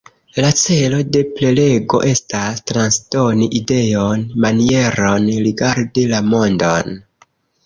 La celo de prelego estas transdoni ideon, manieron rigardi la mondon...